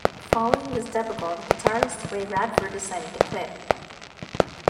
Following this debacle, guitarist Ray Radford decided to quit.